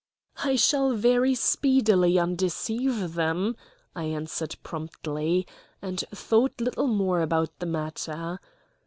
"I shall very speedily undeceive them," I answered promptly, and thought little more about the matter.